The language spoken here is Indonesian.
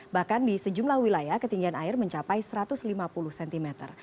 bahkan di sejumlah wilayah ketinggian air mencapai satu ratus lima puluh cm